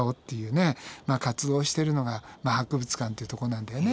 活動をしてるのが博物館っていうとこなんだよね。